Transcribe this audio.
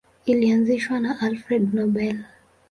Ilianzishwa na Alfred Nobel.